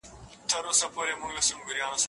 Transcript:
ایمي په دفتر کې د انرژۍ کمی احساس کړ.